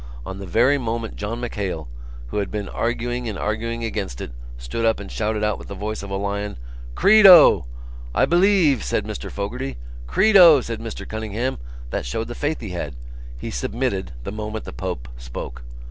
On the very moment John MacHale, who had been arguing and arguing against it, stood up and shouted out with the voice of a lion: 'Credo!'" "I believe!" said Mr Fogarty. "Credo!" said Mr Cunningham. "That showed the faith he had. He submitted the moment the Pope spoke."